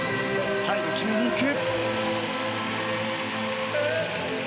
最後、決めに行く！